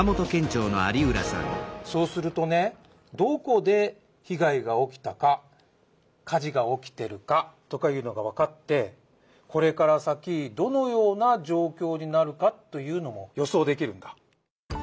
そうするとねどこで被害が起きたか火事が起きてるかとかいうのがわかってこれから先どのような状況になるかというのも予想できるんだ。